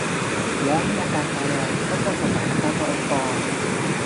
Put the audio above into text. แล้วมีอาการตาแดง ก็ควรสงสัยอาการตัวเองก่อน